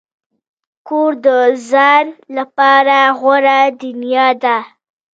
کور د ځان لپاره غوره دنیا ده.